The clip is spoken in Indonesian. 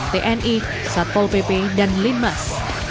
tni satpol pp dan linmas